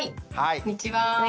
こんにちは。